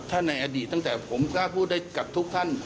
ถ้าในอดีตตั้งแต่ผมกล้าพูดได้กับทุกท่าน